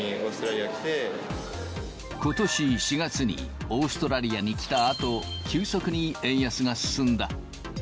ことし４月に、オーストラリアに来たあと、急速に円安が進んだ。